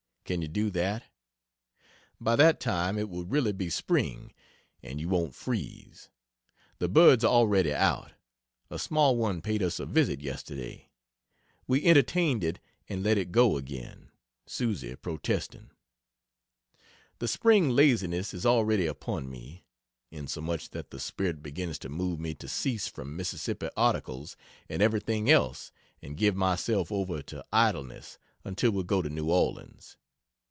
Can you do that? By that time it will really be spring and you won't freeze. The birds are already out; a small one paid us a visit yesterday. We entertained it and let it go again, Susie protesting. The spring laziness is already upon me insomuch that the spirit begins to move me to cease from Mississippi articles and everything else and give myself over to idleness until we go to New Orleans.